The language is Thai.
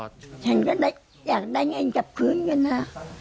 ฉันก็ได้อยากได้เงินกลับคืนกันนะ